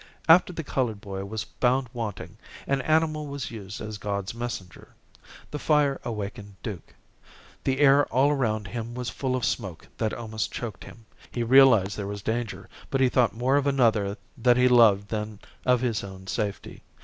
After the colored boy was found wanting, an animal was used as God's messenger. The fire awakened Duke. The air all around him was full of smoke that almost choked him. He realized there was danger, but he thought more of another that he loved than of his own safety.